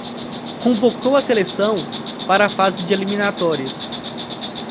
Convocou a seleção para a fase de eliminatórias